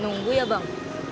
nunggu ya bang